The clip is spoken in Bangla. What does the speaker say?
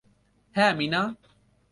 হ্যাঁ, মীনা।